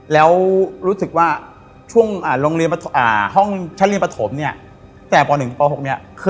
แล้วรู้สึกว่าช่วงโรงเรียนห้องชั้นเรียนปฐมเนี่ยแต่ป๑ป๖เนี่ย